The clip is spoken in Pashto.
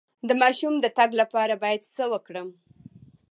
د ماشوم د تګ لپاره باید څه وکړم؟